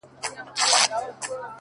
دا روڼه ډېــوه مي پـه وجـود كي ده،